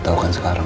masih akan terus